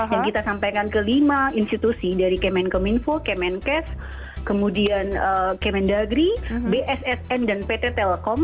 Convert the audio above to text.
yang kita sampaikan ke lima institusi dari kemen keminfo kemenkes kemendagri bssn dan pt telekom